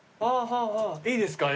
いいですか？